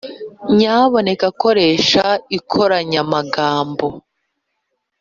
nyamuneka koresha inkoranyamagambo!